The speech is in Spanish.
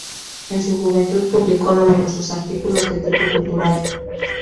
En su juventud publicó numerosos artículos de tipo cultural.